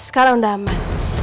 sekarang udah aman